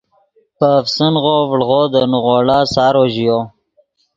پے افسنغو ڤڑغو دے نیغوڑا سارو ژیو